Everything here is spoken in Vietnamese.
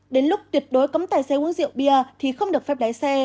đến lúc tuyệt đối cấm tài xế uống rượu bia thì không được phép lái xe